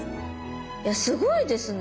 いやすごいですね。